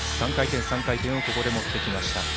３回転、３回転をここで持ってきました。